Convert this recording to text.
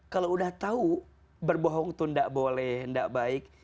kalau udah tahu berbohong itu tidak boleh tidak baik